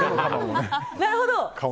なるほど！